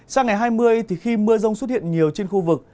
sang ngày hai mươi thì khi mưa rông xuất hiện nhiều trên khu vực